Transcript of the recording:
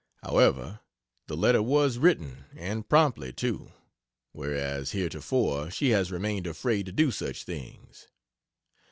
However, the letter was written, and promptly, too whereas, heretofore she has remained afraid to do such things.